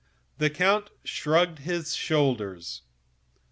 The count shrugged his shoulders.